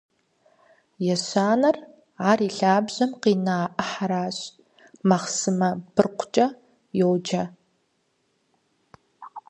Ещанэр, ар и лъабжьэм къина ӏыхьэращ, махъсымэ быркъукӏэ йоджэ.